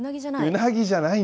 うなぎじゃない？